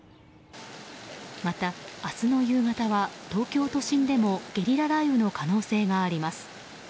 また明日の夕方は東京都心でもゲリラ雷雨の可能性があります。